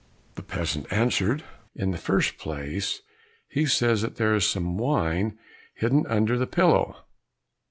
The peasant answered, "In the first place, he says that there is some wine hidden under the pillow."